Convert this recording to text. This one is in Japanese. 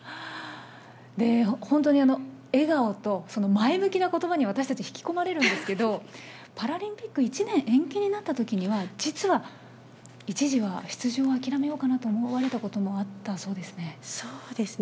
本当に笑顔と、前向きなことばに私たち、引き込まれるんですけれども、パラリンピック１年延期になったときには、実は、一時は出場を諦めようかなと思われたこともあったそうですね？